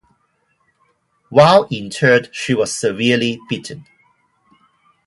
While interred she was severely beaten.